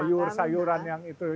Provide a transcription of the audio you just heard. sayuran sayuran yang itu itu